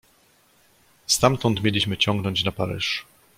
"Stamtąd mieliśmy ciągnąć na Paryż."